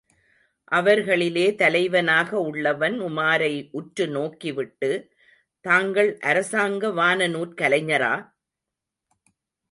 அவர்களிலே தலைவனாக உள்ளவன் உமாரை உற்று நோக்கிவிட்டு, தாங்கள் அரசாங்க வானநூற் கலைஞரா?